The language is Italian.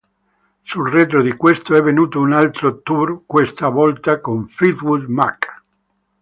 Sul retro di questo è venuto un altro tour, questa volta con Fleetwood Mac.